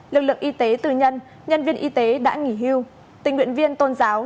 lực lượng y tế tư nhân nhân viên y tế đã nghỉ hưu tình nguyện viên tôn giáo